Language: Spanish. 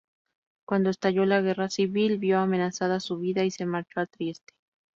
Cuando estalló la Guerra Civil vio amenazada su vida y se marchó a Trieste.